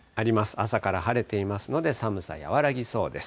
朝から晴れていますので、寒さ和らぎそうです。